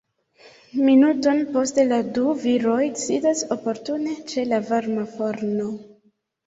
Minuton poste la du viroj sidas oportune ĉe la varma forno.